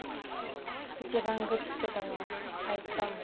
一番愚痴ってたのはあいつだもん。